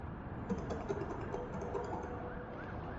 视窗里的内容并非在所有时候都能显示出来。